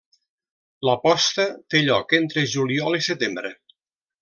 La posta té lloc entre juliol i setembre.